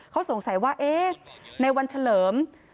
เขาสงสัยว่าเอ๊ะในวันเฉลิม